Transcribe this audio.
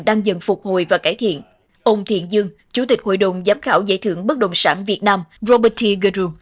đang dần phục hồi và cải thiện ông thiện dương chủ tịch hội đồng giám khảo giải thưởng bất đồng sản việt nam robert t gardeu